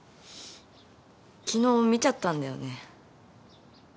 昨日見ちゃったんだよね。